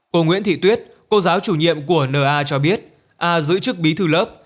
cô nguyễn thị tuyết cô giáo chủ nhiệm của n a cho biết a giữ chức bí thư lớp